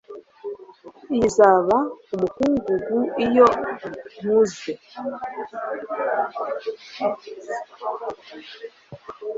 Iyi izaba umukungugu iyo nkuze